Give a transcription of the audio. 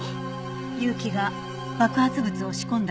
結城が爆発物を仕込んだ